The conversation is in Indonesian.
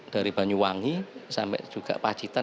dari banyuwangi sampai juga pacitan